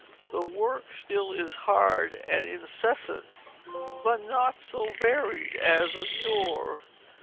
The work still is hard and incessant, but not so varied as of yore.